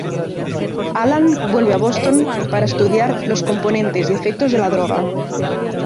Alan vuelve a Boston para estudiar los componentes y efectos de la droga.